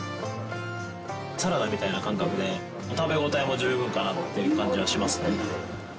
サラダみたいな感覚で食べ応えも十分かなっていう感じはしますね。